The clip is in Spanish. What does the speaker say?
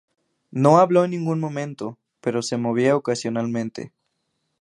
No habló en ningún momento, pero se movía ocasionalmente.